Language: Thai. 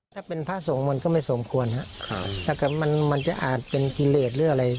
ถ้าเป็นพระส่งมนตร์ก็ไม่สมควรครับแต่มันจะอาจเป็นกิเลสหรืออะไร